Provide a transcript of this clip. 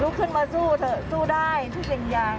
ขึ้นมาสู้เถอะสู้ได้ทุกสิ่งอย่าง